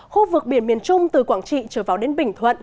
khu vực biển miền trung từ quảng trị trở vào đến bình thuận